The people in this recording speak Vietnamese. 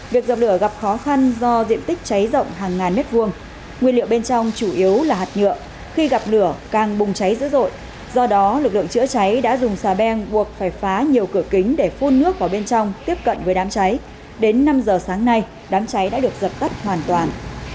việc dập lửa gặp khó khăn do diện tích cháy rộng hàng ngàn mét vuông nguyên liệu bên trong chủ yếu là hạt nhựa khi gặp lửa càng bùng cháy dữ dội do đó lực lượng chữa cháy đã dùng xà beng buộc phải phá nhiều cửa kính để phun nước vào bên trong tiếp cận với đám cháy đến năm giờ sáng nay đám cháy đã được dập tắt hoàn toàn